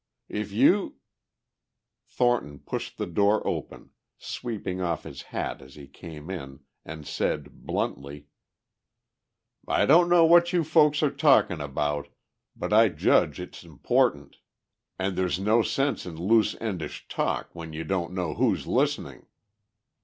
If you ..." Thornton pushed the door open, sweeping off his hat as he came in, and said bluntly, "I don't know what you folks are talking about, but I judge it's important. And there's no sense in loose endish talk when you don't know who's listening."